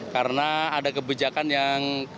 karena ada kebijakan yang